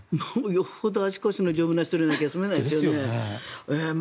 よほど足腰の丈夫な人じゃないと住めないですね。